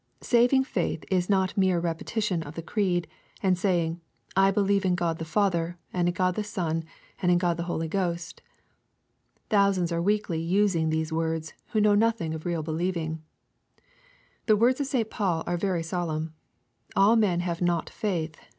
Saving faith is not mere repetition of the creed, and saying, " I believe in God the Father, — and in God the Son, — ^and in God the HolyGhost." Thousands are weekly using these words, who know nothing of real believing. The words of St. Paul are very solemn, " All men have not faith."